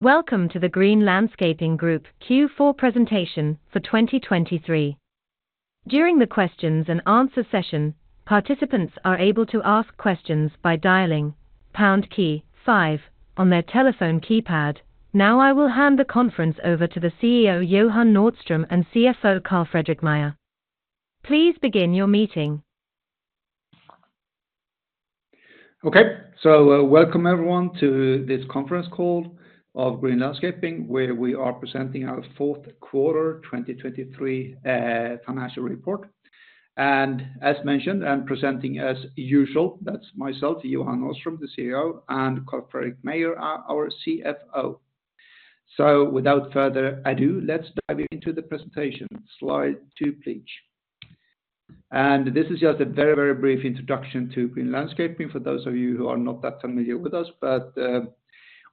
Welcome to the Green Landscaping Group Q4 Presentation for 2023. During the questions and answer session, participants are able to ask questions by dialing pound key five on their telephone keypad. Now, I will hand the conference over to the CEO, Johan Nordström, and CFO, Carl-Fredrik Meijer. Please begin your meeting. Okay. So welcome everyone to this conference call of Green Landscaping, where we are presenting our Fourth Quarter 2023 Financial Report. As mentioned, I'm presenting as usual, that's myself, Johan Nordström, the CEO, and Carl-Fredrik Meijer, our CFO. So without further ado, let's dive into the presentation. Slide two, please. This is just a very, very brief introduction to Green Landscaping, for those of you who are not that familiar with us. But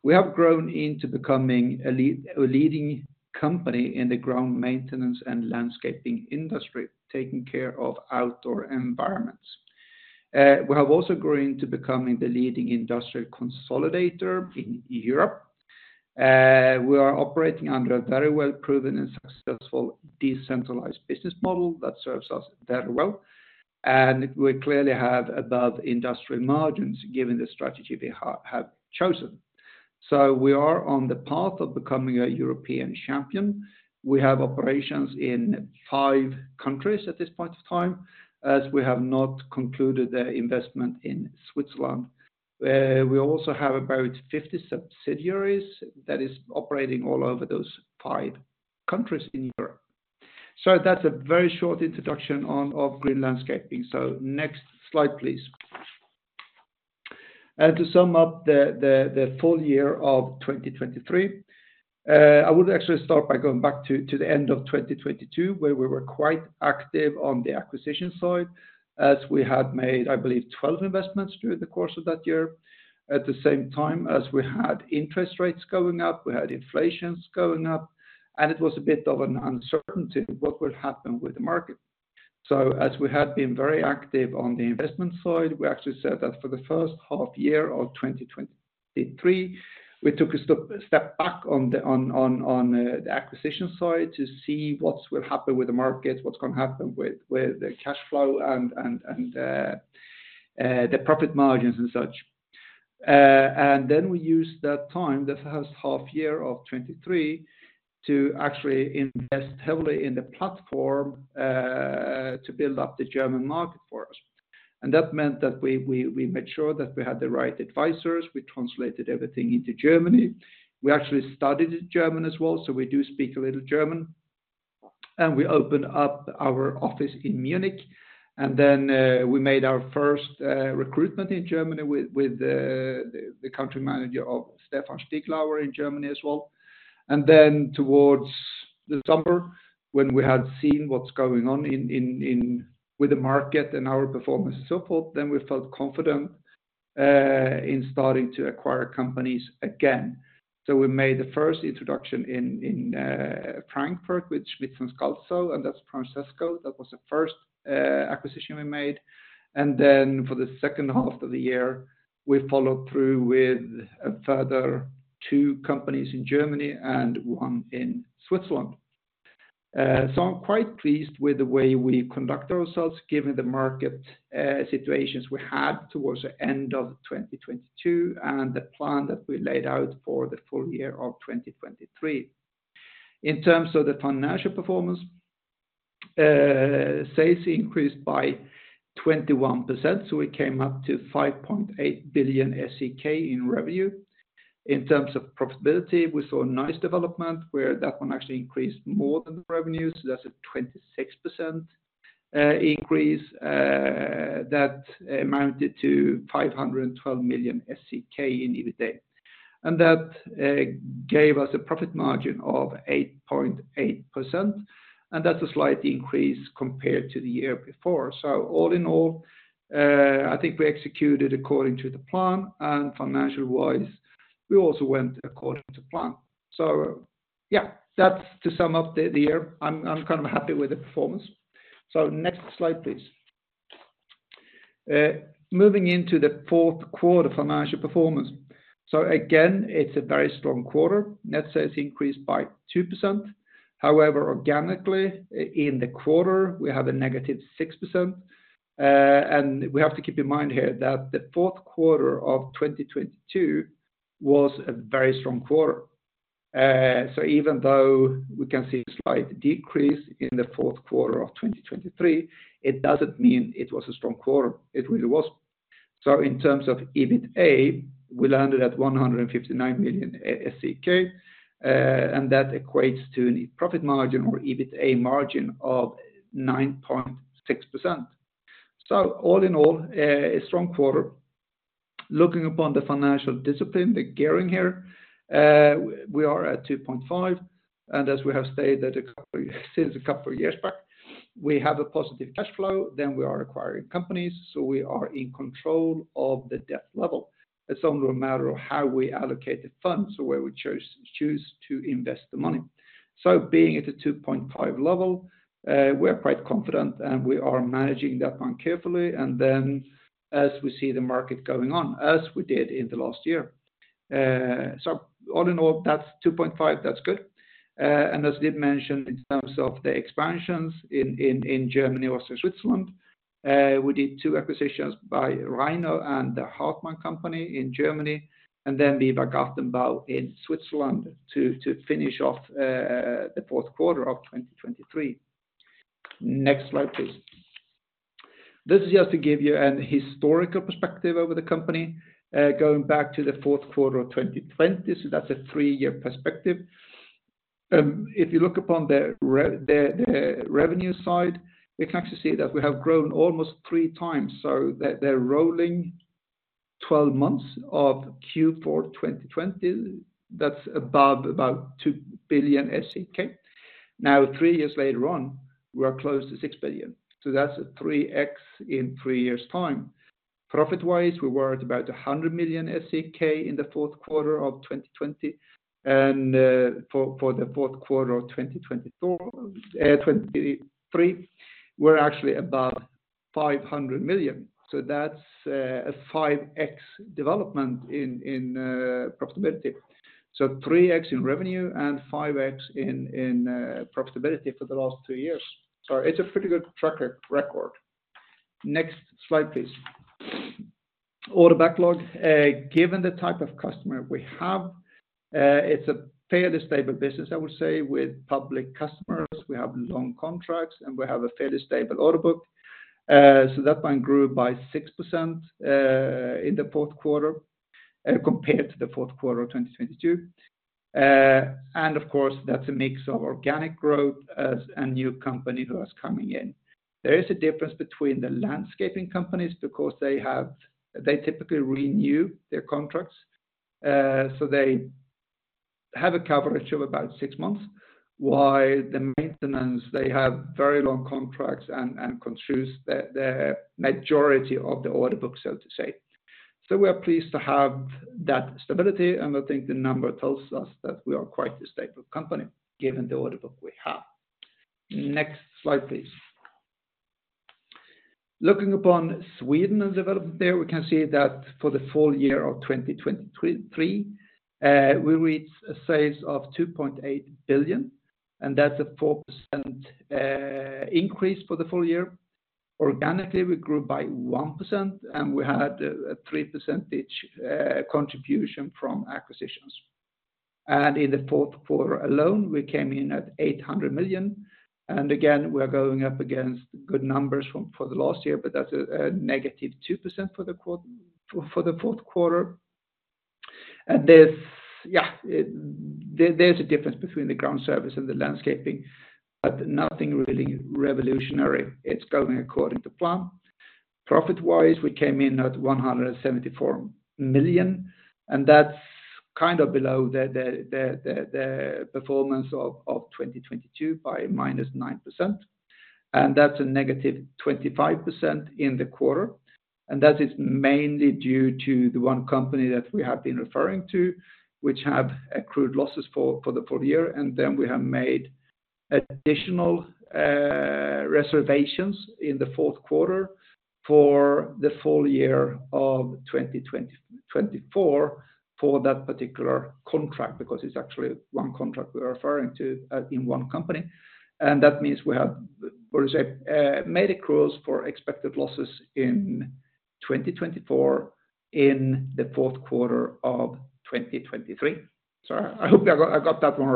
we have grown into becoming a leading company in the ground maintenance and landscaping industry, taking care of outdoor environments. We have also grown into becoming the leading industrial consolidator in Europe. We are operating under a very well proven and successful decentralized business model that serves us very well, and we clearly have above industry margins, given the strategy we have chosen. So we are on the path of becoming a European champion. We have operations in five countries at this point of time, as we have not concluded the investment in Switzerland. We also have about 50 subsidiaries that is operating all over those five countries in Europe. So that's a very short introduction on of Green Landscaping. So next slide, please. And to sum up the full year of 2023, I would actually start by going back to the end of 2022, where we were quite active on the acquisition side, as we had made, I believe, 12 investments during the course of that year. At the same time as we had interest rates going up, we had inflation going up, and it was a bit of an uncertainty what would happen with the market. So as we had been very active on the investment side, we actually said that for the first half year of 2023, we took a step back on the acquisition side to see what will happen with the market, what's going to happen with the cash flow and the profit margins and such. And then we used that time, the first half year of 2023, to actually invest heavily in the platform, to build up the German market for us. And that meant that we made sure that we had the right advisors, we translated everything into Germany. We actually studied German as well, so we do speak a little German, and we opened up our office in Munich, and then we made our first recruitment in Germany with the country manager of Stephan Stieglauer in Germany as well. And then towards the summer, when we had seen what's going on in the market and our performance and so forth, then we felt confident in starting to acquire companies again. So we made the first introduction in Frankfurt with Schmitt & Scalzo, and that's Francesco. That was the first acquisition we made. And then for the second half of the year, we followed through with a further two companies in Germany and one in Switzerland. I'm quite pleased with the way we conduct ourselves, given the market situations we had towards the end of 2022, and the plan that we laid out for the full year of 2023. In terms of the financial performance, sales increased by 21%, so we came up to 5.8 billion SEK in revenue. In terms of profitability, we saw a nice development, where that one actually increased more than the revenue, so that's a 26% increase that amounted to 512 million in EBITA. And that gave us a profit margin of 8.8%, and that's a slight increase compared to the year before. All in all, I think we executed according to the plan, and financial-wise, we also went according to plan. So yeah, that's to sum up the year. I'm kind of happy with the performance. So next slide, please. Moving into the fourth quarter financial performance. So again, it's a very strong quarter. Net sales increased by 2%. However, organically, in the quarter, we have a -6%. And we have to keep in mind here that the fourth quarter of 2022 was a very strong quarter. So even though we can see a slight decrease in the fourth quarter of 2023, it doesn't mean it was a strong quarter. It really was. So in terms of EBITA, we landed at 159 million, and that equates to a profit margin or EBITA margin of 9.6%. So all in all, a strong quarter. Looking upon the financial discipline, the gearing here, we are at 2.5, and as we have stated that since a couple of years back, we have a positive cash flow, then we are acquiring companies, so we are in control of the debt level. It's only a matter of how we allocate the funds or where we choose to invest the money. So being at a 2.5 level, we are quite confident, and we are managing that one carefully. And then as we see the market going on, as we did in the last year. So all in all, that's 2.5, that's good. And as I did mention, in terms of the expansions in Germany or Switzerland, we did two acquisitions by Rainer and the Hartmann company in Germany, and then Viva Gartenbau in Switzerland to finish off the fourth quarter of 2023. Next slide, please. This is just to give you a historical perspective over the company, going back to the fourth quarter of 2020. So that's a three-year perspective. If you look upon the revenue side, you can actually see that we have grown almost 3x. So the rolling 12 months of Q4 2020, that's above about 2 billion SEK. Now, three years later on, we are close to 6 billion. So that's a 3x in three years time. Profit-wise, we were at about 100 million SEK in the fourth quarter of 2020, and, for the fourth quarter of 2024, 2023, we're actually about 500 million. So that's a 5x development in profitability. So 3x in revenue and 5x in profitability for the last two years. So it's a pretty good track record. Next slide, please. Order backlog, given the type of customer we have, it's a fairly stable business, I would say, with public customers. We have long contracts, and we have a fairly stable order book. So that one grew by 6% in the fourth quarter compared to the fourth quarter of 2022. And of course, that's a mix of organic growth as a new company was coming in. There is a difference between the landscaping companies, because they have they typically renew their contracts. So they have a coverage of about six months, while the maintenance, they have very long contracts and constitutes the majority of the order book, so to say. So we are pleased to have that stability, and I think the number tells us that we are quite a stable company, given the order book we have. Next slide, please. Looking upon Sweden and development there, we can see that for the full year of 2023, we reached a sales of 2.8 billion, and that's a 4% increase for the full year. Organically, we grew by 1%, and we had a 3% contribution from acquisitions. In the fourth quarter alone, we came in at 800 million. Again, we are going up against good numbers from the last year, but that's a -2% for the fourth quarter. And there's a difference between the ground service and the landscaping, but nothing really revolutionary. It's going according to plan. Profit-wise, we came in at 174 million, and that's kind of below the performance of 2022 by -9%, and that's a -25% in the quarter. And that is mainly due to the one company that we have been referring to, which have accrued losses for the full year. And then we have made additional reservations in the fourth quarter for the full year of 2024 for that particular contract, because it's actually one contract we are referring to in one company. And that means we have, or is it, made accruals for expected losses in 2024 in the fourth quarter of 2023. Sorry, I hope I got, I got that one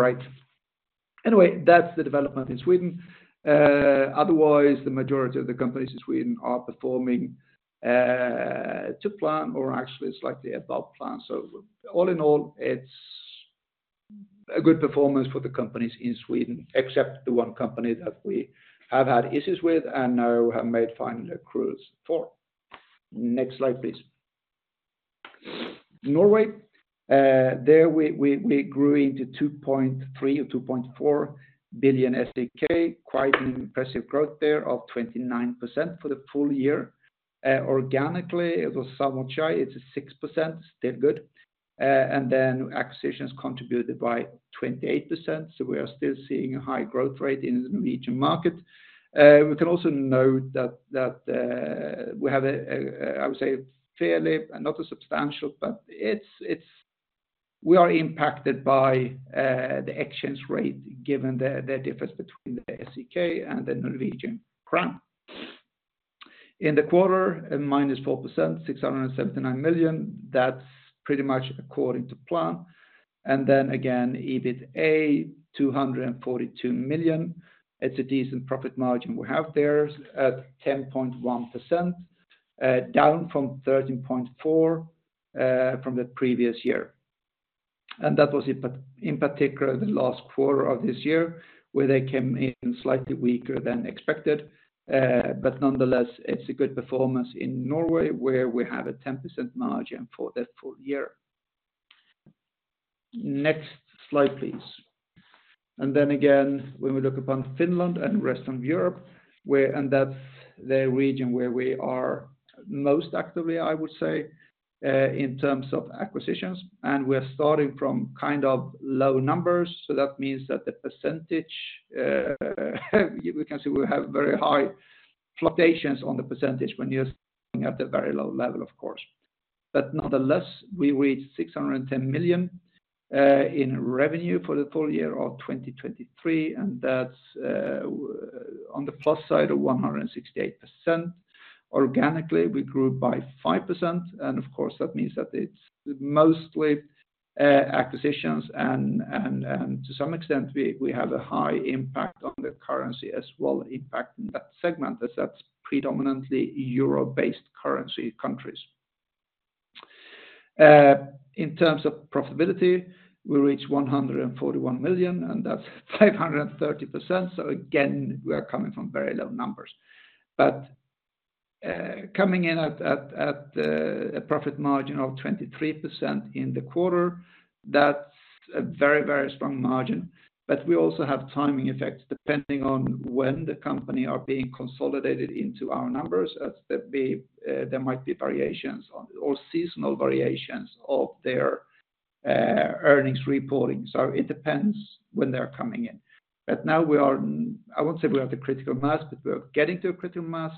right. Anyway, that's the development in Sweden. Otherwise, the majority of the companies in Sweden are performing to plan, or actually, it's slightly above plan. So all in all, it's a good performance for the companies in Sweden, except the one company that we have had issues with and now have made final accruals for. Next slide, please. Norway, there we grew into 2.3 billion or 2.4 billion, quite an impressive growth there of 29% for the full year. Organically, it was somewhat high, it's 6%, still good. And then acquisitions contributed by 28%, so we are still seeing a high growth rate in the Norwegian market. We can also note that we have, I would say—fairly and not a substantial, but it's, we are impacted by the exchange rate given the difference between the SEK and the Norwegian krone. In the quarter, -4%, 679 million, that's pretty much according to plan. And then again, EBITA, 242 million. It's a decent profit margin we have there at 10.1%, down from 13.4% from the previous year. That was in particular the last quarter of this year, where they came in slightly weaker than expected. But nonetheless, it's a good performance in Norway, where we have a 10% margin for the full year. Next slide, please. Then again, when we look upon Finland and Western Europe, where that's the region where we are most actively, I would say, in terms of acquisitions, and we are starting from kind of low numbers, so that means that the percentage we can see we have very high fluctuations on the percentage when you're at a very low level, of course. But nonetheless, we reached 610 million in revenue for the full year of 2023, and that's on the plus side of 168%. Organically, we grew by 5%, and of course, that means that it's mostly acquisitions and to some extent we have a high impact on the currency as well, impacting that segment as that's predominantly euro-based currency countries. In terms of profitability, we reached 141 million, and that's 530%. So again, we are coming from very low numbers. But coming in at a profit margin of 23% in the quarter, that's a very, very strong margin. But we also have timing effects, depending on when the company are being consolidated into our numbers, as there might be variations or seasonal variations of their earnings reporting. So it depends when they're coming in. But now we are, I won't say we have the critical mass, but we are getting to a critical mass,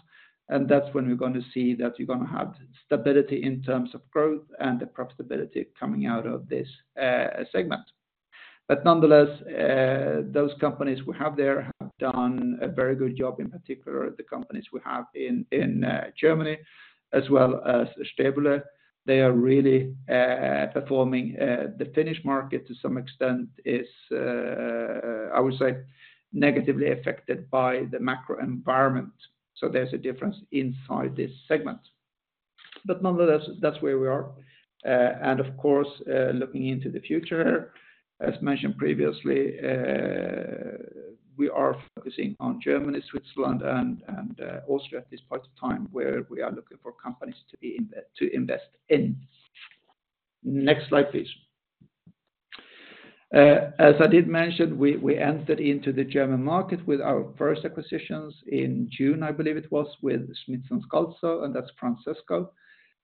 and that's when we're going to see that you're going to have stability in terms of growth and the profitability coming out of this segment. But nonetheless, those companies we have there have done a very good job, in particular, the companies we have in Germany, as well as Stebulė. They are really performing. The Finnish market, to some extent, is, I would say, negatively affected by the macro environment. So there's a difference inside this segment. But nonetheless, that's where we are. And of course, looking into the future, as mentioned previously, we are focusing on Germany, Switzerland, and Austria at this point in time, where we are looking for companies to invest in. Next slide, please. As I did mention, we entered into the German market with our first acquisitions in June, I believe it was, with Schmitt & Scalzo, and that's Francesco,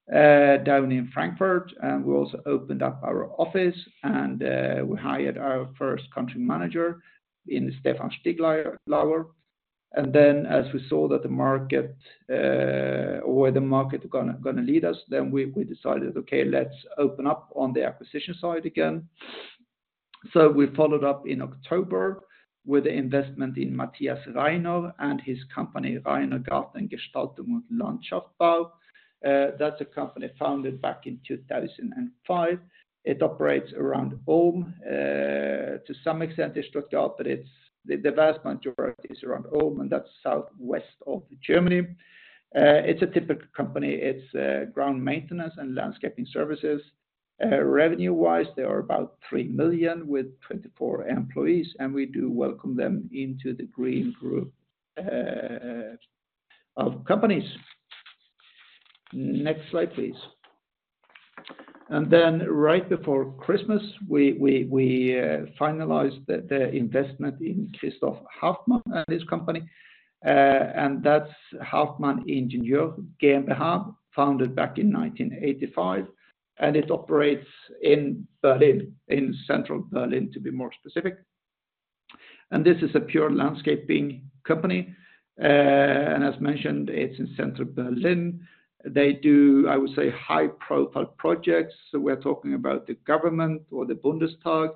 in Frankfurt, and we also opened up our office, and we hired our first country manager, Stephan Stieglauer. And then, as we saw that the market, where the market going to lead us, then we decided, okay, let's open up on the acquisition side again. So we followed up in October with the investment in Matthias Rainer and his company, Rainer Gartengestaltung & Landschaftsbau. That's a company founded back in 2005. It operates around Ulm, to some extent, they struck out, but it's the vast majority is around Ulm, and that's southwest of Germany. It's a typical company. It's ground maintenance and landscaping services. Revenue-wise, they are about 3 million with 24 employees, and we do welcome them into the Green Group of companies. Next slide, please. Then right before Christmas, we finalized the investment in Christoph Hartmann and his company, and that's Hartmann Ingenieure GmbH, founded back in 1985, and it operates in Berlin, in central Berlin, to be more specific. And this is a pure landscaping company. And as mentioned, it's in central Berlin. They do, I would say, high-profile projects, so we're talking about the government or the Bundestag.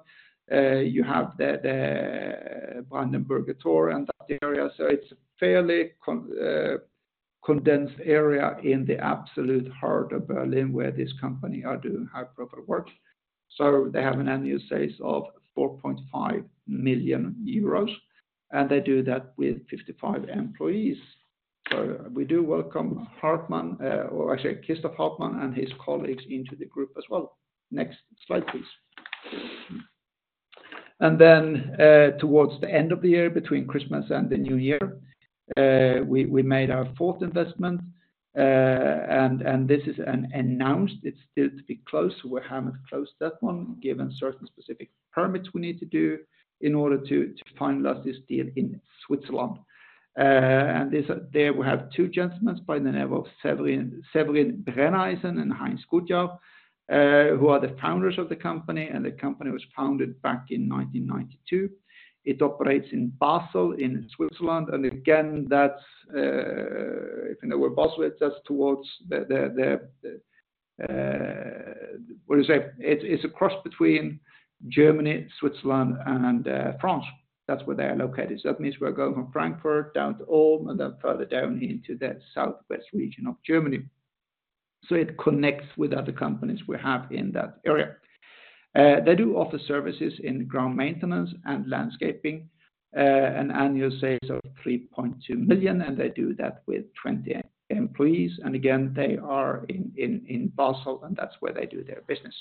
You have the Brandenburger Tor in that area, so it's a fairly condensed area in the absolute heart of Berlin, where this company are doing high-profile work. So they have annual sales of 4.5 million euros, and they do that with 55 employees. So we do welcome Hartmann, or actually, Christoph Hartmann and his colleagues into the group as well. Next slide, please. Then, towards the end of the year, between Christmas and the New Year, we made our fourth investment, and this is an announced, it's still to be closed. We haven't closed that one, given certain specific permits we need to do in order to finalize this deal in Switzerland. We have two gentlemen by the name of Severin Brenneisen and Heinz Gutjahr, who are the founders of the company, and the company was founded back in 1992. It operates in Basel, in Switzerland, and again, that's, if you know where Basel is, that's towards the, the, the, what do you say? It's a cross between Germany, Switzerland, and France. That's where they are located. So that means we are going from Frankfurt down to Ulm, and then further down into the southwest region of Germany. So it connects with other companies we have in that area. They offer services in ground maintenance and landscaping, an annual sales of 3.2 million, and they do that with 20 employees. And again, they are in Basel, and that's where they do their business.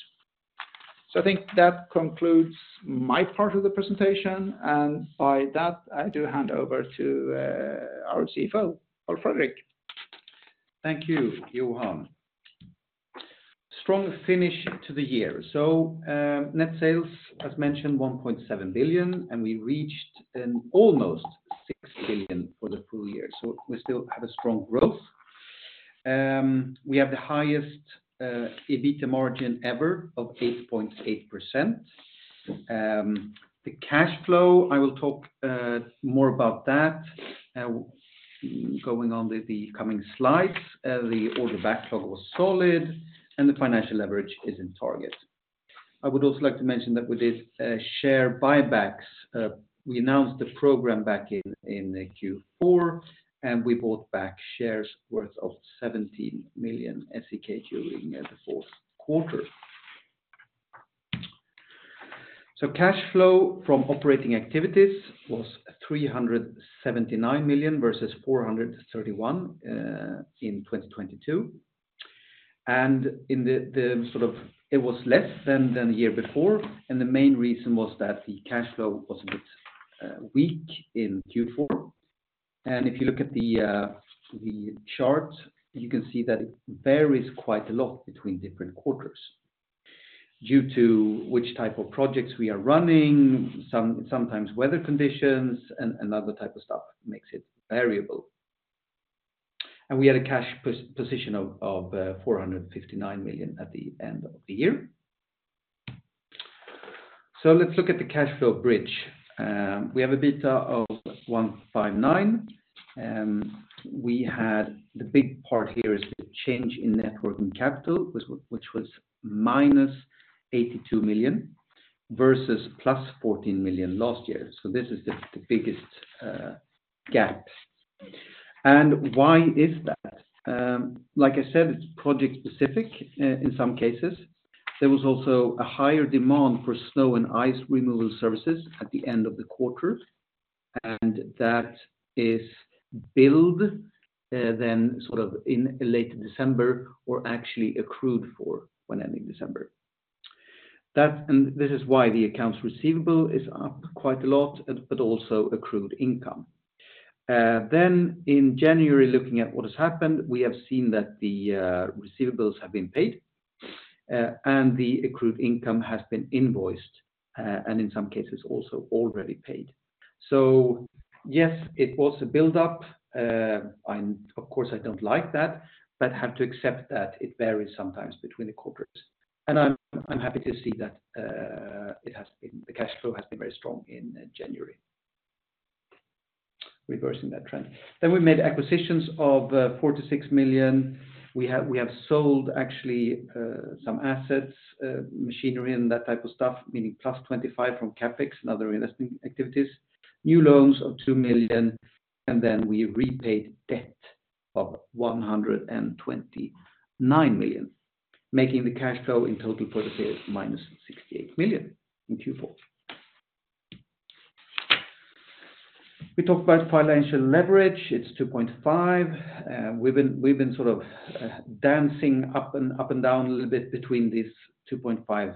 So I think that concludes my part of the presentation, and by that, I do hand over to our CFO, Carl-Fredrik. Thank you, Johan. Strong finish to the year. So, net sales, as mentioned, 1.7 billion, and we reached an almost 6 billion for the full year. So we still have a strong growth. We have the highest EBITA margin ever of 8.8%. The cash flow, I will talk more about that going on the coming slides. The order backlog was solid, and the financial leverage is in target. I would also like to mention that we did share buybacks. We announced the program back in Q4, and we bought back shares worth 17 million SEK during the fourth quarter. So cash flow from operating activities was 379 million versus 431 million in 2022. And in the, sort of it was less than the year before, and the main reason was that the cash flow was a bit weak in Q4. If you look at the chart, you can see that it varies quite a lot between different quarters due to which type of projects we are running, sometimes weather conditions, and other type of stuff makes it variable. We had a cash position of 459 million at the end of the year. So let's look at the cash flow bridge. We have an EBITA of 159 million. The big part here is the change in net working capital, which was -82 million, versus +14 million last year. So this is the biggest gap. And why is that? Like I said, it's project specific, in some cases. There was also a higher demand for snow and ice removal services at the end of the quarter, and that is billed, then sort of in late December or actually accrued for when ending December. That, and this is why the accounts receivable is up quite a lot, but also accrued income. Then in January, looking at what has happened, we have seen that the, receivables have been paid, and the accrued income has been invoiced, and in some cases, also already paid. So yes, it was a build-up, and of course, I don't like that, but have to accept that it varies sometimes between the corporates. And I'm, I'm happy to see that, it has been—the cash flow has been very strong in January, reversing that trend. Then we made acquisitions of 46 million. We have, we have sold actually some assets, machinery and that type of stuff, meaning +25 million from CapEx and other investing activities, new loans of 2 million, and then we repaid debt of 129 million, making the cash flow in total for the period -68 million in Q4. We talked about financial leverage, it's 2.5. We've been, we've been sort of dancing up and up and down a little bit between this 2.5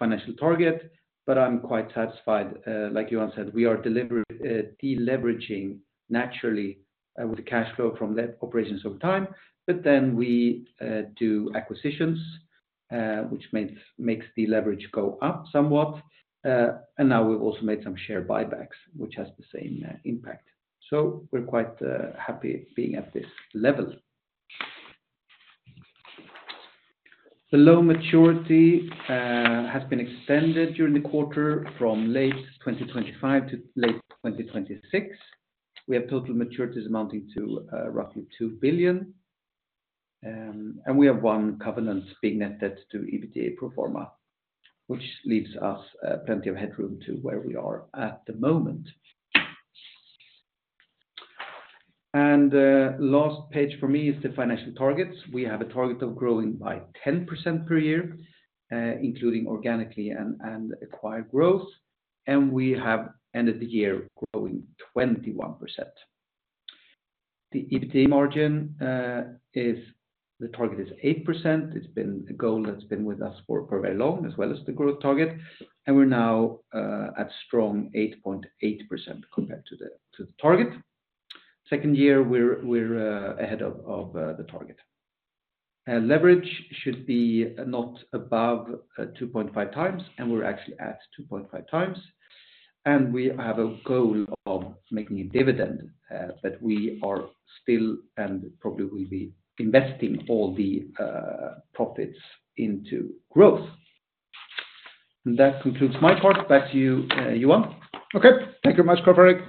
financial target, but I'm quite satisfied. Like Johan said, we are deleveraging naturally with the cash flow from that operations over time, but then we do acquisitions, which makes the leverage go up somewhat. And now we've also made some share buybacks, which has the same impact. So we're quite happy being at this level. The loan maturity has been extended during the quarter from late 2025 to late 2026. We have total maturities amounting to roughly 2 billion, and we have one covenant being net debt to EBITA pro forma, which leaves us plenty of headroom to where we are at the moment. And last page for me is the financial targets. We have a target of growing by 10% per year, including organically and, and acquired growth, and we have ended the year growing 21%. The EBITA margin is the target is 8%. It's been a goal that's been with us for very long, as well as the growth target, and we're now at strong 8.8% compared to the, to the target. Second year, we're ahead of the target. Leverage should be not above 2.5x, and we're actually at 2.5x. We have a goal of making a dividend, but we are still and probably will be investing all the profits into growth. That concludes my part. Back to you, Johan. Okay, thank you very much, Carl-Fredrik.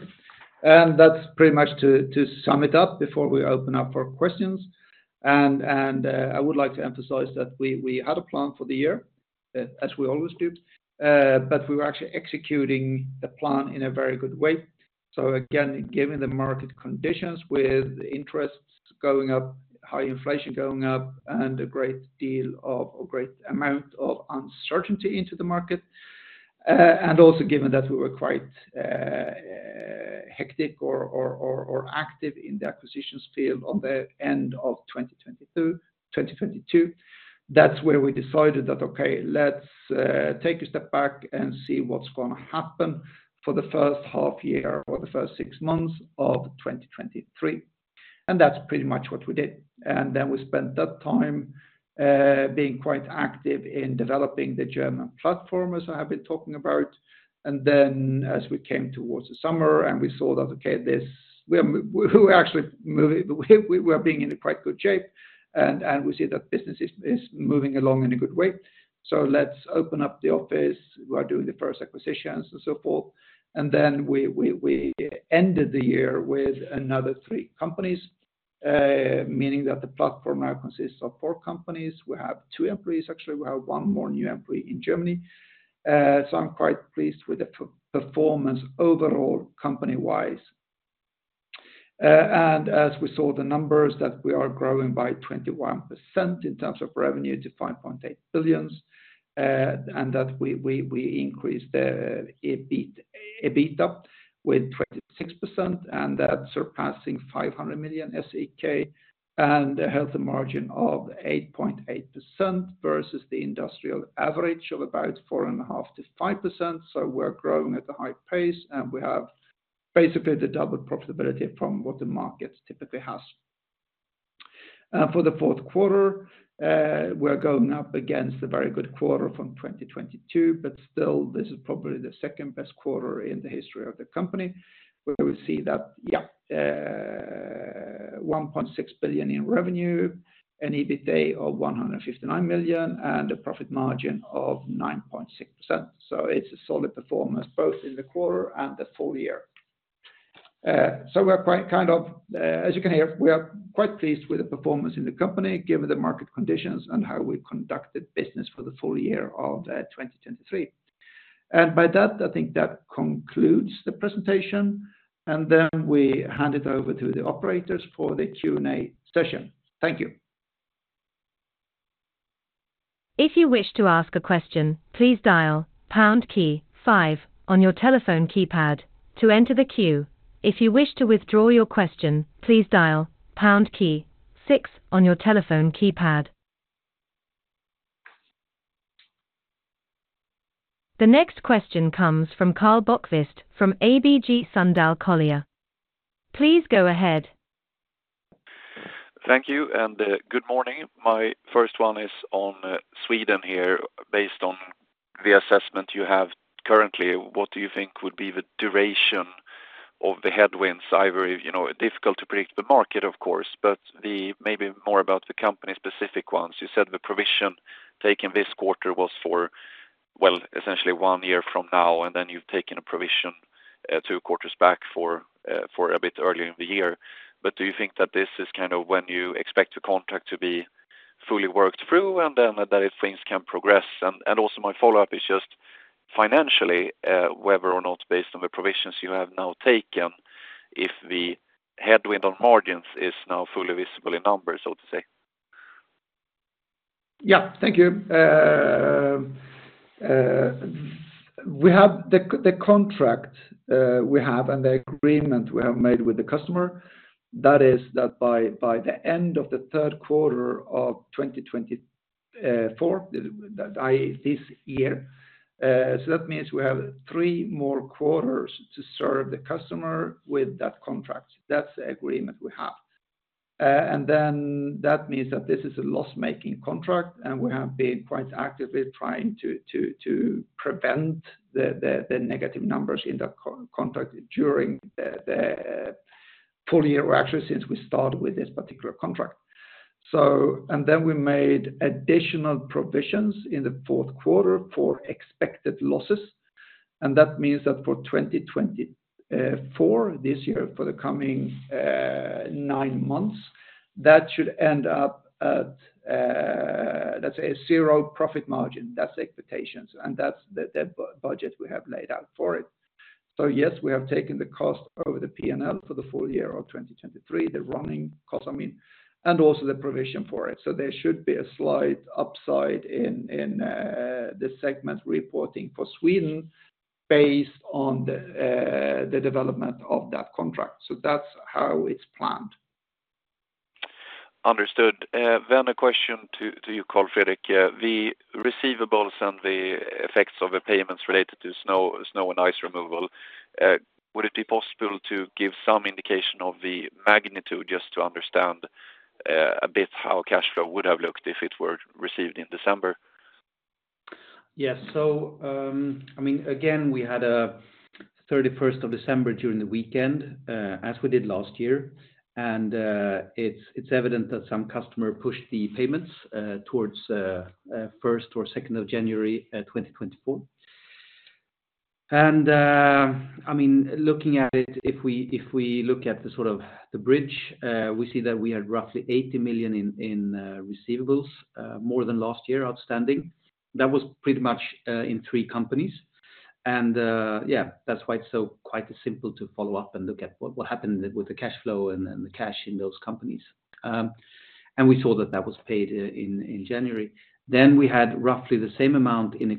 And that's pretty much to sum it up before we open up for questions. And I would like to emphasize that we had a plan for the year, as we always do, but we were actually executing the plan in a very good way. So again, given the market conditions with interests going up, high inflation going up, and a great deal of, a great amount of uncertainty into the market, and also given that we were quite hectic or active in the acquisitions field on the end of 2022, that's where we decided that, okay, let's take a step back and see what's going to happen for the first half year or the first six months of 2023. And that's pretty much what we did. Then we spent that time being quite active in developing the German platform, as I have been talking about. Then as we came towards the summer, and we saw that, okay, we actually are being in a quite good shape, and we see that business is moving along in a good way. So let's open up the office. We are doing the first acquisitions and so forth. Then we ended the year with another three companies, meaning that the platform now consists of four companies. We have two employees; actually, we have one more new employee in Germany. So I'm quite pleased with the performance overall, company-wise. As we saw the numbers, that we are growing by 21% in terms of revenue to 5.8 billion, and that we increased EBITA with 26%, and that surpassing SEK 500 million, and it has a margin of 8.8% versus the industrial average of about 4.5%-5%. So we're growing at a high pace, and we have basically the double profitability from what the market typically has. For the fourth quarter, we're going up against a very good quarter from 2022, but still, this is probably the second best quarter in the history of the company, where we see that, yeah, 1.6 billion in revenue, an EBITA of 159 million, and a profit margin of 9.6%. So it's a solid performance, both in the quarter and the full year. So we're quite, kind of, as you can hear, we are quite pleased with the performance in the company, given the market conditions and how we conducted business for the full year of 2023. And by that, I think that concludes the presentation, and then we hand it over to the operators for the Q&A session. Thank you. If you wish to ask a question, please dial pound key five on your telephone keypad to enter the queue. If you wish to withdraw your question, please dial pound key six on your telephone keypad. The next question comes from Karl Bokvist from ABG Sundal Collier. Please go ahead. Thank you, and, good morning. My first one is on, Sweden here. Based on the assessment you have currently, what do you think would be the duration of the headwinds? Either, you know, difficult to predict the market, of course, but the maybe more about the company-specific ones. You said the provision taken this quarter was for, well, essentially one year from now, and then you've taken a provision, two quarters back for, for a bit earlier in the year. But do you think that this is kind of when you expect the contract to be fully worked through, and then, that if things can progress? And, also my follow-up is just financially, whether or not based on the provisions you have now taken, if the headwind on margins is now fully visible in numbers, so to say. Yeah, thank you. We have the contract and the agreement we have made with the customer, that is, by the end of the third quarter of 2024, that i.e., this year, so that means we have three more quarters to serve the customer with that contract. That's the agreement we have. And then that means that this is a loss-making contract, and we have been quite actively trying to prevent the negative numbers in the contract during the full year, or actually, since we started with this particular contract. And then we made additional provisions in the fourth quarter for expected losses, and that means that for 2024, this year, for the coming nine months, that should end up at, let's say, a 0% profit margin. That's the expectations, and that's the, the budget we have laid out for it. So yes, we have taken the cost over the P&L for the full year of 2023, the running cost, I mean, and also the provision for it. So there should be a slight upside in, in, the segment reporting for Sweden, based on the, the development of that contract. So that's how it's planned. Understood. Then a question to you, Carl-Fredrik. The receivables and the effects of the payments related to snow and ice removal, would it be possible to give some indication of the magnitude, just to understand a bit how cash flow would have looked if it were received in December? Yes. So, I mean, again, we had a 31st of December during the weekend, as we did last year, and it's evident that some customer pushed the payments towards first or second of January 2024. And I mean, looking at it, if we look at the sort of the bridge, we see that we had roughly 80 million in receivables more than last year, outstanding. That was pretty much in three companies. And yeah, that's why it's so quite simple to follow up and look at what happened with the cash flow and then the cash in those companies. And we saw that that was paid in in January. Then we had roughly the same amount in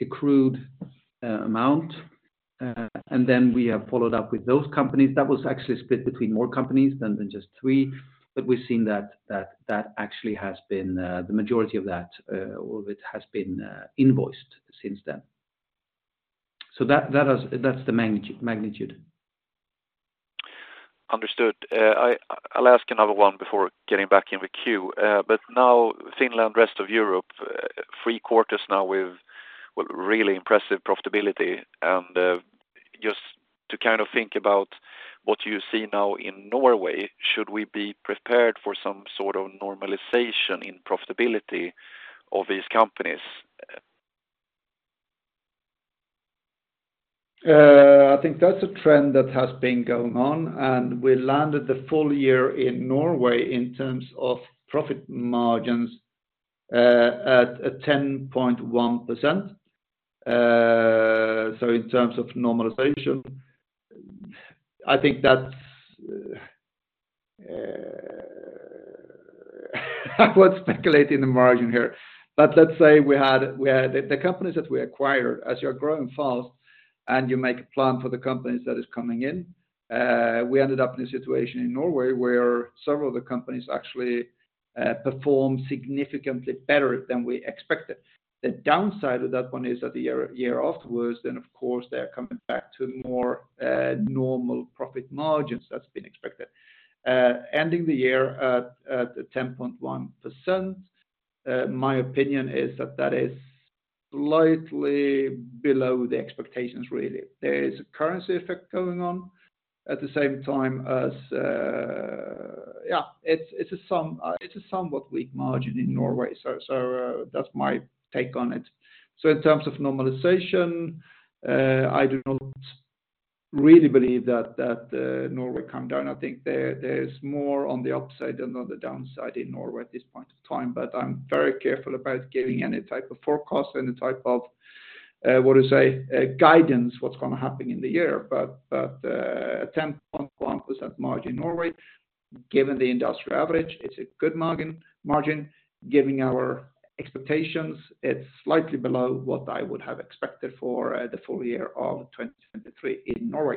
accrued amount, and then we have followed up with those companies. That was actually split between more companies than just three, but we've seen that that actually has been the majority of that, all of it has been invoiced since then. So that is—that's the magnitude. Understood. I'll ask another one before getting back in the queue. But now, Finland, rest of Europe, three quarters now with really impressive profitability. And just to kind of think about what you see now in Norway, should we be prepared for some sort of normalization in profitability of these companies? I think that's a trend that has been going on, and we landed the full year in Norway in terms of profit margins at a 10.1%. So in terms of normalization, I think that's, I was speculating the margin here. But let's say we had the companies that we acquired, as you are growing fast and you make a plan for the companies that is coming in, we ended up in a situation in Norway where several of the companies actually performed significantly better than we expected. The downside of that one is that the year, year afterwards, then of course, they are coming back to more normal profit margins that's been expected. Ending the year at a 10.1%, my opinion is that that is slightly below the expectations, really. There is a currency effect going on at the same time as. Yeah, it's a somewhat weak margin in Norway, so that's my take on it. So in terms of normalization, I do not really believe that Norway come down. I think there is more on the upside than on the downside in Norway at this point of time, but I'm very careful about giving any type of forecast, any type of what to say, guidance, what's gonna happen in the year. But a 10.1% margin in Norway, given the industrial average, it's a good margin. Given our expectations, it's slightly below what I would have expected for the full year of 2023 in Norway.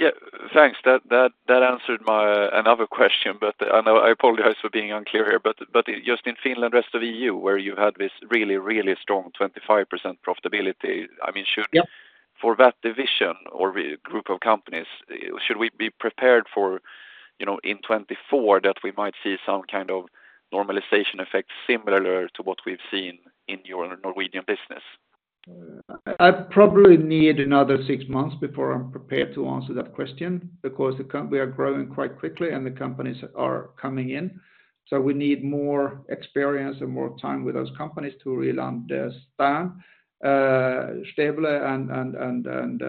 Yeah, thanks. That answered my another question, but I know I apologize for being unclear here, but just in Finland, rest of EU, where you had this really, really strong 25% profitability, I mean, should, for that division or group of companies, should we be prepared for, you know, in 2024, that we might see some kind of normalization effect similar to what we've seen in your Norwegian business? I probably need another six months before I'm prepared to answer that question, because we are growing quite quickly, and the companies are coming in. So we need more experience and more time with those companies to really understand Stebulė and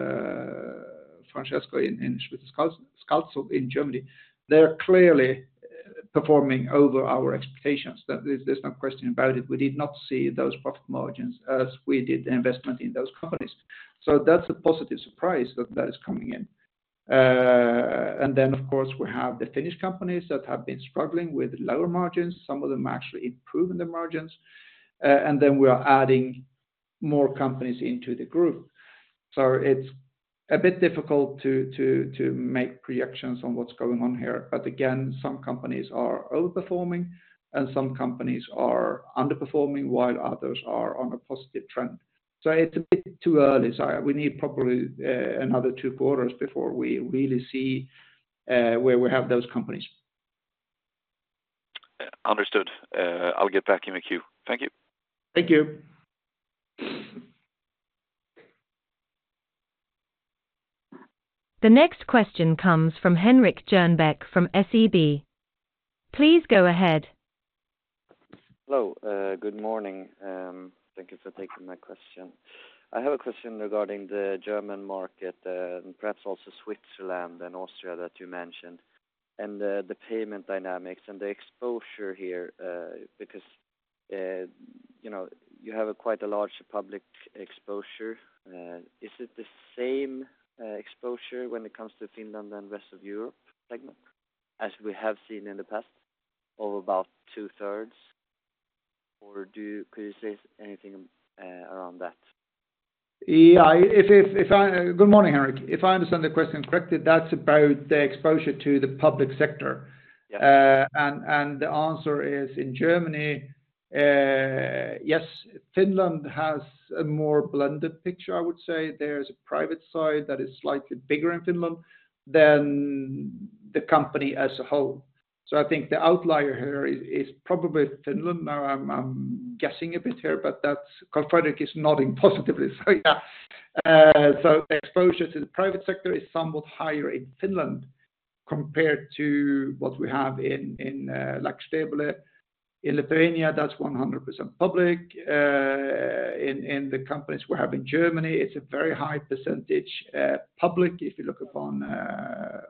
Francesco in Schmitt & Scalzo in Germany. They're clearly performing over our expectations. There's no question about it. We did not see those profit margins as we did the investment in those companies. So that's a positive surprise that is coming in. And then, of course, we have the Finnish companies that have been struggling with lower margins. Some of them are actually improving the margins, and then we are adding more companies into the group. So it's a bit difficult to make projections on what's going on here. But again, some companies are overperforming and some companies are underperforming, while others are on a positive trend. So it's a bit too early. So we need probably, another two quarters before we really see, where we have those companies. Understood. I'll get back in the queue. Thank you. Thank you. The next question comes from Henrik Jernbeck from SEB. Please go ahead. Hello, good morning. Thank you for taking my question. I have a question regarding the German market, and perhaps also Switzerland and Austria that you mentioned, and the payment dynamics and the exposure here, because, you know, you have quite a large public exposure. Is it the same exposure when it comes to Finland and rest of Europe segment, as we have seen in the past, of about 2/3? Or could you say anything around that? Good morning, Henrik. If I understand the question correctly, that's about the exposure to the public sector. Yeah. And the answer is in Germany, yes, Finland has a more blended picture, I would say. There's a private side that is slightly bigger in Finland than the company as a whole. So I think the outlier here is probably Finland. Now, I'm guessing a bit here, but that's, Fredrik is nodding positively, so yeah. So the exposure to the private sector is somewhat higher in Finland compared to what we have in, like Stebulė. In Lithuania, that's 100% public. In the companies we have in Germany, it's a very high percentage public, if you look upon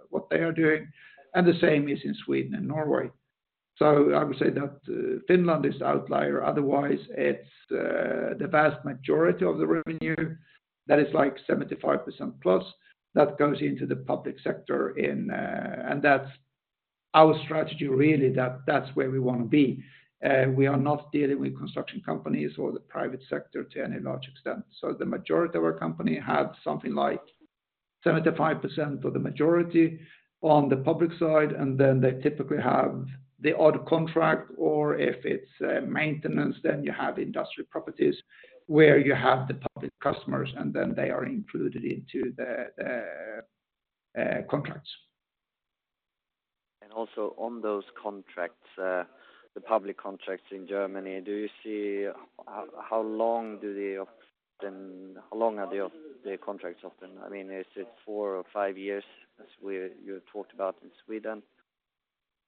what they are doing, and the same is in Sweden and Norway. So I would say that Finland is the outlier. Otherwise, it's the vast majority of the revenue that is like 75%+ that goes into the public sector in. And that's our strategy, really, that that's where we want to be. We are not dealing with construction companies or the private sector to any large extent. So the majority of our company have something like 75% or the majority on the public side, and then they typically have the odd contract, or if it's maintenance, then you have industrial properties, where you have the public customers, and then they are included into the contracts. Also on those contracts, the public contracts in Germany, do you see how long are the contracts often? I mean, is it four or five years, as you talked about in Sweden?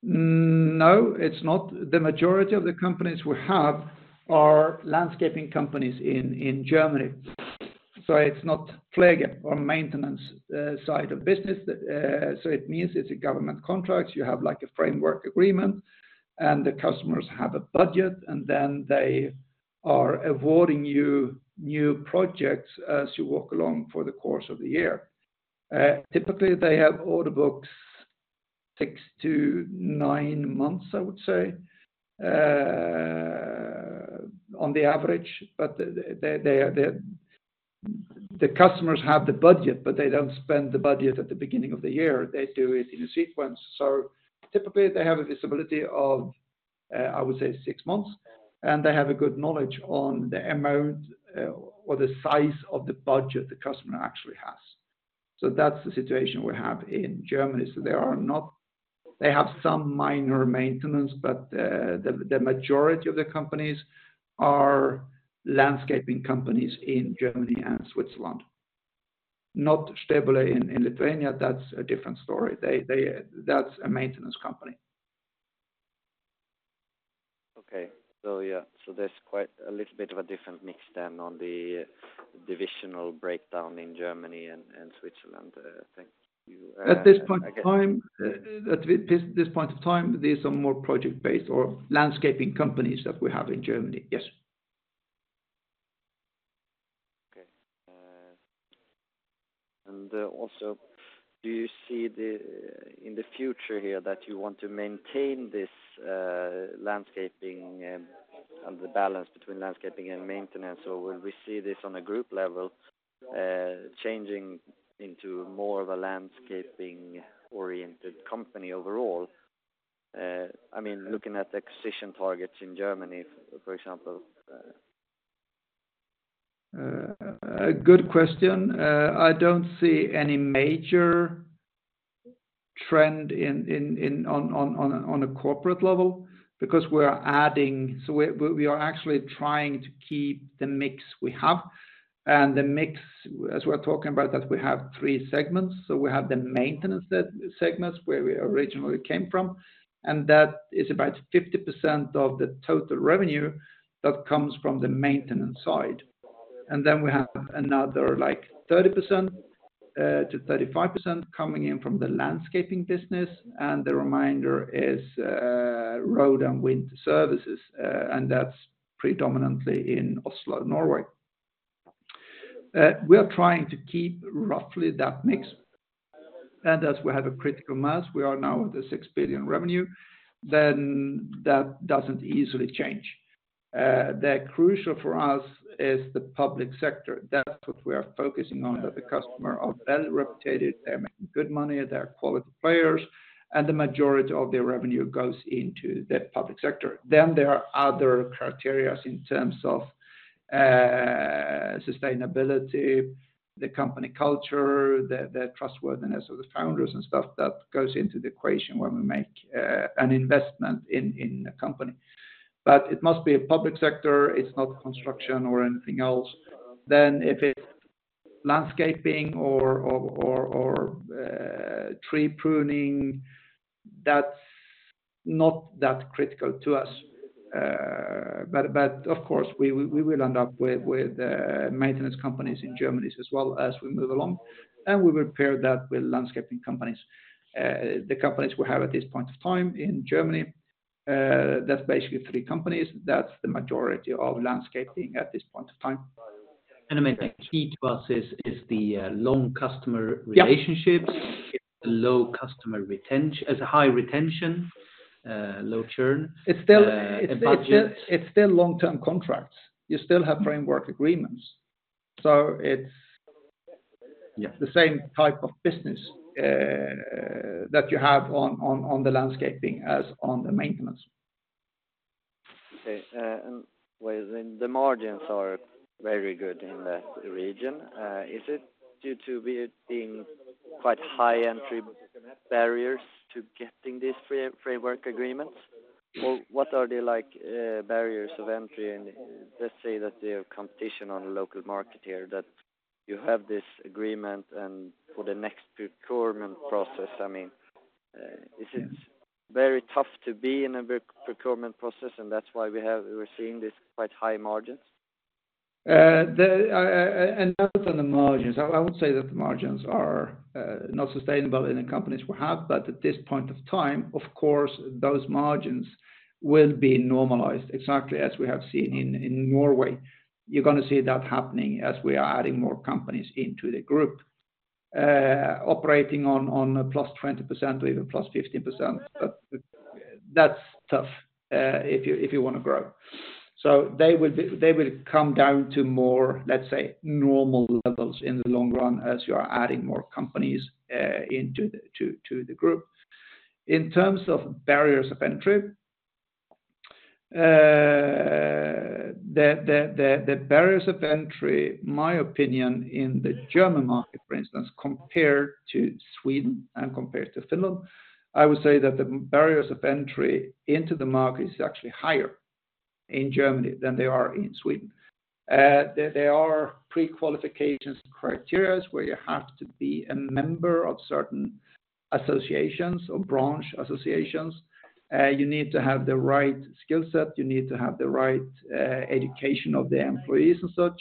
No, it's not. The majority of the companies we have are landscaping companies in Germany. So it's not flag or maintenance side of business. So it means it's a government contract. You have, like, a framework agreement, and the customers have a budget, and then they are awarding you new projects as you walk along for the course of the year. Typically, they have order books six to nine months, I would say, on the average, but the customers have the budget, but they don't spend the budget at the beginning of the year. They do it in a sequence. So typically, they have a visibility of, I would say, six months, and they have a good knowledge on the amount or the size of the budget the customer actually has. So that's the situation we have in Germany. They are not, they have some minor maintenance, but the majority of the companies are landscaping companies in Germany and Switzerland, not stable in Lithuania. That's a different story. That's a maintenance company. Okay, so, yeah. So there's quite a little bit of a different mix then on the divisional breakdown in Germany and Switzerland. Thank you. At this point of time, these are more project-based or landscaping companies that we have in Germany. Yes. Okay, and also, do you see, in the future here, that you want to maintain this landscaping and the balance between landscaping and maintenance? Or will we see this on a group level, changing into more of a landscaping-oriented company overall? I mean, looking at the acquisition targets in Germany, for example. A good question. I don't see any major trend on a corporate level because we are adding. So we are actually trying to keep the mix we have, and the mix, as we're talking about, that we have three segments. So we have the maintenance segments, where we originally came from, and that is about 50% of the total revenue that comes from the maintenance side. And then we have another, like 30%-35% coming in from the landscaping business, and the remainder is road and winter services, and that's predominantly in Oslo, Norway. We are trying to keep roughly that mix, and as we have a critical mass, we are now at the 6 billion revenue, then that doesn't easily change. The crucial for us is the public sector. That's what we are focusing on, that the customer are well-reputed, they're making good money, they are quality players, and the majority of their revenue goes into the public sector. Then there are other criteria in terms of sustainability, the company culture, the trustworthiness of the founders and stuff that goes into the equation when we make an investment in a company. But it must be a public sector, it's not construction or anything else. Then if it's landscaping or tree pruning, that's not that critical to us. But of course, we will end up with maintenance companies in Germany as well as we move along, and we will pair that with landscaping companies. The companies we have at this point of time in Germany, that's basically three companies. That's the majority of landscaping at this point of time. I mean, the key to us is the long customer relationships. Yeah. Low customer retention, high retention, low churn. It's still- Uh, budgets. It's still long-term contracts. You still have framework agreements, so its the same type of business, that you have on the landscaping as on the maintenance. Okay, and well, then the margins are very good in the region. Is it due to it being quite high entry barriers to getting these framework agreements? Or what are the like, barriers of entry? And let's say that you have competition on the local market here, that you have this agreement and for the next procurement process, I mean, is it very tough to be in a procurement process, and that's why we're seeing this quite high margins? And not on the margins. I would say that the margins are not sustainable in the companies we have, but at this point of time, of course, those margins will be normalized exactly as we have seen in Norway. You're gonna see that happening as we are adding more companies into the group. Operating on a +20% or even +50%, that's tough if you want to grow. So they will be, they will come down to more, let's say, normal levels in the long run, as you are adding more companies into the group. In terms of barriers of entry, the barriers of entry, in my opinion, in the German market, for instance, compared to Sweden and compared to Finland, I would say that the barriers of entry into the market is actually higher in Germany than they are in Sweden. There are pre-qualification criteria where you have to be a member of certain associations or branch associations. You need to have the right skill set, you need to have the right education of the employees and such.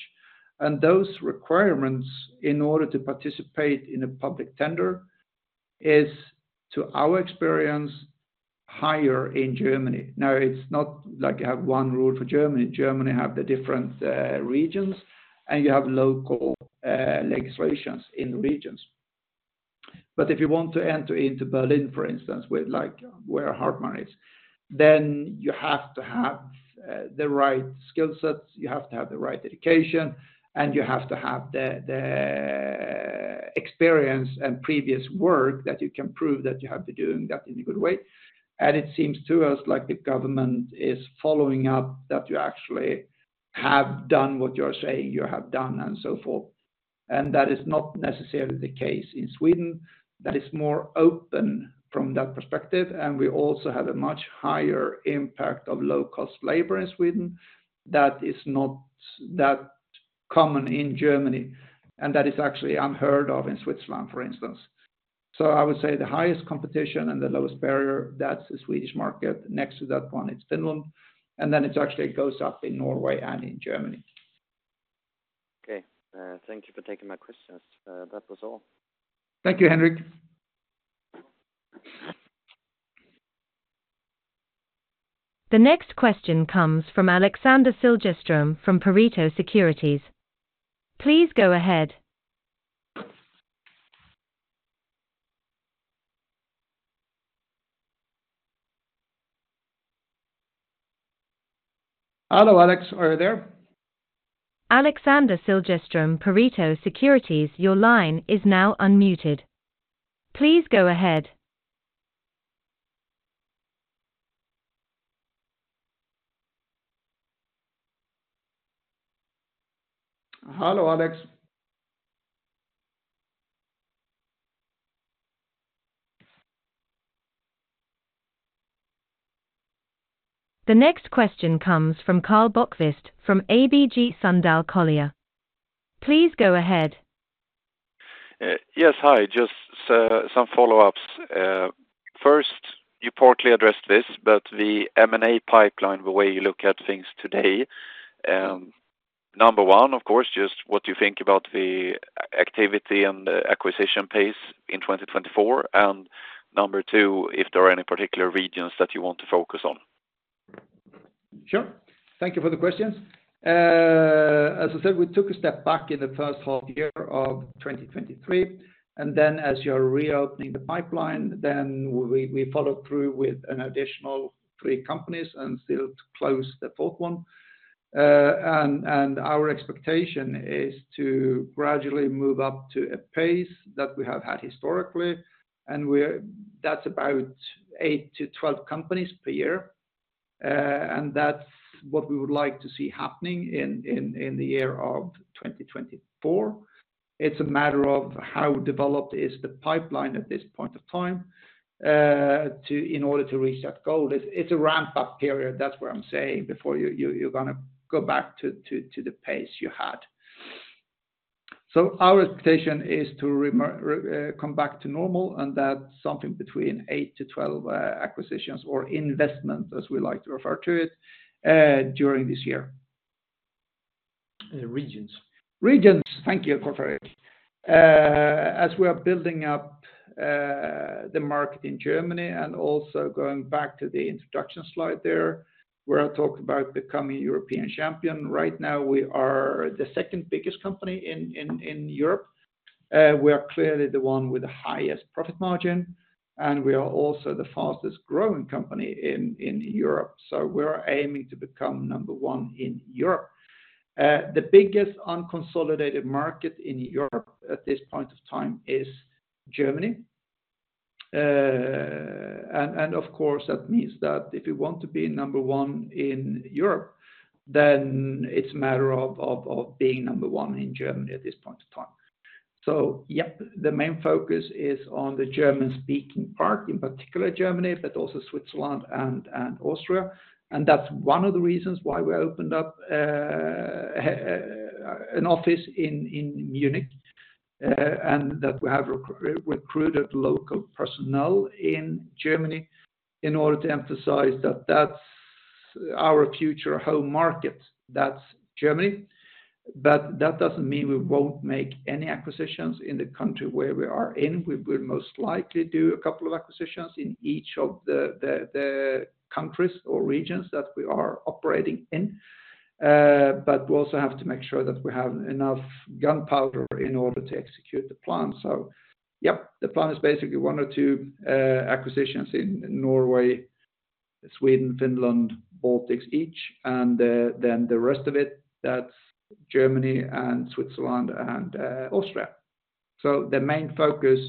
And those requirements, in order to participate in a public tender, is, to our experience, higher in Germany. Now, it's not like you have one rule for Germany. Germany have the different regions, and you have local legislations in the regions. But if you want to enter into Berlin, for instance, with like, where Hartmann is, then you have to have the right skill sets, you have to have the right education, and you have to have the experience and previous work that you can prove that you have been doing that in a good way. And it seems to us like the government is following up that you actually have done what you're saying you have done and so forth. And that is not necessarily the case in Sweden. That is more open from that perspective, and we also have a much higher impact of low-cost labor in Sweden that is not that common in Germany, and that is actually unheard of in Switzerland, for instance. So I would say the highest competition and the lowest barrier, that's the Swedish market. Next to that one, it's Finland, and then it actually goes up in Norway and in Germany. Okay. Thank you for taking my questions. That was all. Thank you, Henrik. The next question comes from Alexander Siljeström from Pareto Securities. Please go ahead. Hello, Alex. Are you there? Alexander Siljeström, Pareto Securities, your line is now unmuted. Please go ahead. Hello, Alex. The next question comes from Karl Bokvist from ABG Sundal Collier. Please go ahead. Yes, hi, just some follow-ups. First, you partly addressed this, but the M&A pipeline, the way you look at things today, number one, of course, just what you think about the activity and the acquisition pace in 2024. And number two, if there are any particular regions that you want to focus on? Sure. Thank you for the questions. As I said, we took a step back in the first half year of 2023, and then as you're reopening the pipeline, then we followed through with an additional three companies and still to close the fourth one. Our expectation is to gradually move up to a pace that we have had historically, and we're, that's about 8-12 companies per year. That's what we would like to see happening in the year of 2024. It's a matter of how developed is the pipeline at this point of time, in order to reach that goal. It's a ramp-up period, that's what I'm saying, before you're going to go back to the pace you had. Our expectation is to come back to normal, and that's something between 8-12 acquisitions or investments, as we like to refer to it, during this year. The regions. Regions! Thank you, Carl-Fredrik. As we are building up the market in Germany, and also going back to the introduction slide there, where I talked about becoming a European champion, right now, we are the second biggest company in Europe. We are clearly the one with the highest profit margin, and we are also the fastest-growing company in Europe. So we are aiming to become number one in Europe. The biggest unconsolidated market in Europe at this point of time is Germany. And, of course, that means that if you want to be number one in Europe, then it's a matter of being number one in Germany at this point in time. So yeah, the main focus is on the German-speaking part, in particular Germany, but also Switzerland and Austria. That's one of the reasons why we opened up an office in Munich, and that we have recruited local personnel in Germany in order to emphasize that that's our future home market. That's Germany. But that doesn't mean we won't make any acquisitions in the country where we are in. We will most likely do a couple of acquisitions in each of the countries or regions that we are operating in. But we also have to make sure that we have enough gunpowder in order to execute the plan. So yeah, the plan is basically one or two acquisitions in Norway, Sweden, Finland, Baltics each, and then the rest of it, that's Germany and Switzerland and Austria. So the main focus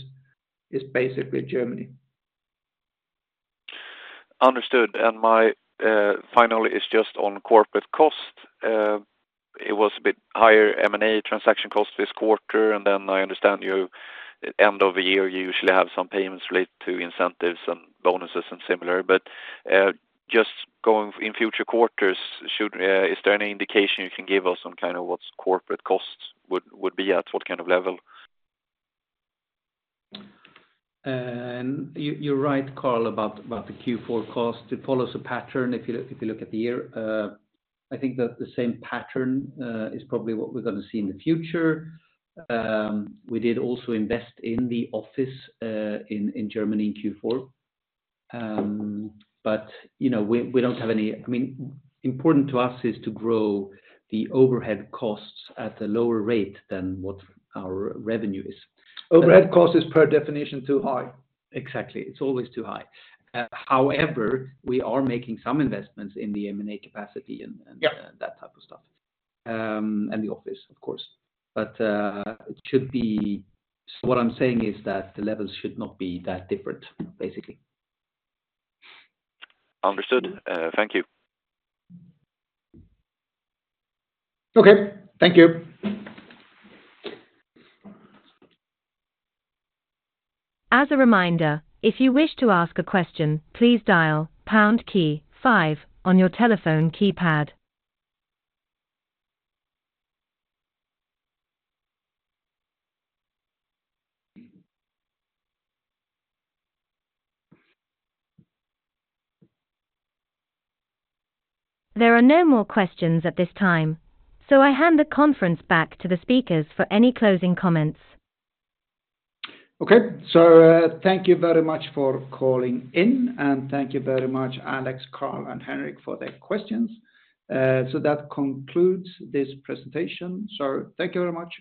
is basically Germany. Understood. My final is just on corporate cost. It was a bit higher M&A transaction cost this quarter, and then I understand you end of the year you usually have some payments related to incentives and bonuses and similar. But just going in future quarters, is there any indication you can give us on kind of what's corporate costs would be at what kind of level? You, you're right, Karl, about the Q4 cost. It follows a pattern if you look at the year. I think that the same pattern is probably what we're gonna see in the future. We did also invest in the office in Germany in Q4. But, you know, we don't have any, I mean, important to us is to grow the overhead costs at a lower rate than what our revenue is. Overhead cost is per definition too high. Exactly. It's always too high. However, we are making some investments in the M&A capacity and, and that type of stuff. And the office, of course. But, it should be, so what I'm saying is that the levels should not be that different, basically. Understood. Thank you. Okay, thank you. As a reminder, if you wish to ask a question, please dial pound key five on your telephone keypad. There are no more questions at this time, so I hand the conference back to the speakers for any closing comments. Okay. So, thank you very much for calling in, and thank you very much, Alex, Karl, and Henrik, for their questions. So that concludes this presentation. So thank you very much.